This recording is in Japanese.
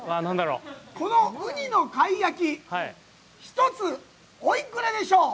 このウニの貝焼き、１つお幾らでしょう？